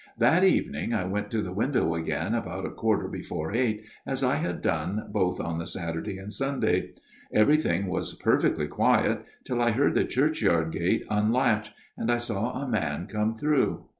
" That evening I went to the window again about a quarter before eight, as I had done both on the Saturday and Sunday. Everything was perfectly quiet, till I heard the churchyard gate unlatch ; and I saw a man come through.